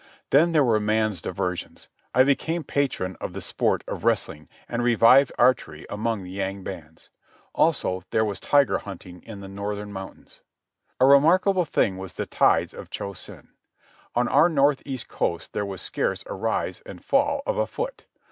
Then there were man's diversions. I became patron of the sport of wrestling, and revived archery among the yang bans. Also, there was tiger hunting in the northern mountains. A remarkable thing was the tides of Cho Sen. On our north east coast there was scarce a rise and fall of a foot.